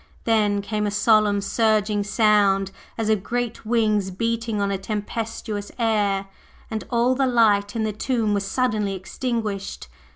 Then came a solemn surging sound as of great wings beating on a tempestuous air, and all the light in the tomb was suddenly extinguished.